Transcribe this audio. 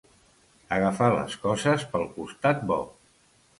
Agafar les coses pel costat bo.